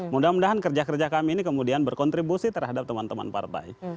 mudah mudahan kerja kerja kami ini kemudian berkontribusi terhadap teman teman partai